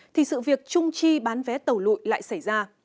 thì sự việc trung chi bán vé tàu lụi lại xảy ra